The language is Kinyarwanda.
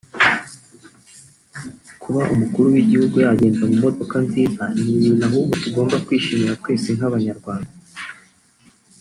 kuba umukuru wigihugu yagenda mumodoka nziza nibintu ahubwo tugomba kwishimira twese nkabanyarwanda